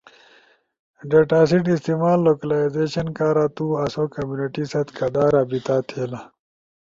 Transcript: ڈیٹاسیٹ استعمال لوکلائزیشن کارا، تو آسو کمیونٹی ست کدا رابطہ تھئیلا۔